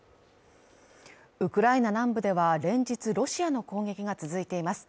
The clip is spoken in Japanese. ウクライナ南部では連日ロシアの攻撃が続いています